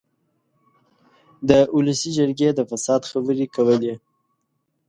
د اولسي جرګې د فساد خبرې کولې.